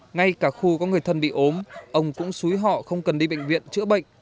ngay cả khu có người thân bị ốm ông cũng xúi họ không cần đi bệnh viện chữa bệnh